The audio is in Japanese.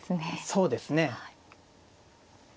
そうですね。